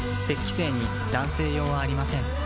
精に男性用はありません